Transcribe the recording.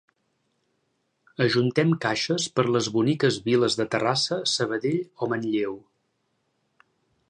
Ajuntem caixes per les boniques viles de Terrassa, Sabadell o Manlleu.